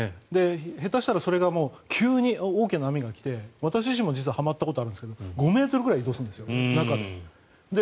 下手したらそれが急に大きな波が起きて私自身もはまったことがあるんですが５ｍぐらい移動するんです中で。